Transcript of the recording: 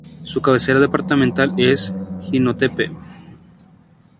Su cabecera departamental es Jinotepe.